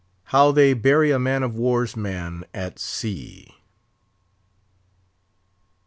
HOW THEY BURY A MAN OF WAR'S MAN AT SEA.